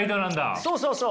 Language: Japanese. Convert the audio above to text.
そうそうそう！